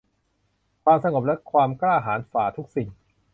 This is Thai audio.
ความสงบและความกล้าหาญฝ่าทุกสิ่ง